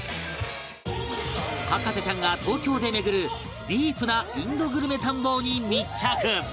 博士ちゃんが東京で巡るディープなインドグルメ探訪に密着